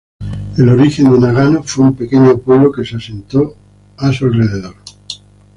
El origen de Nagano fue un pequeño pueblo que se asentó a su alrededor.